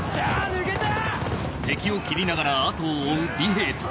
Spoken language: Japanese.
抜けた！